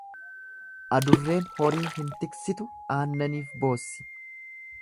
Adurreen horii hin tiksitu aannaniif boossi.